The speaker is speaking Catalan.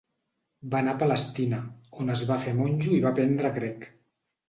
Va anar a Palestina, on es va fer monjo i va aprendre grec.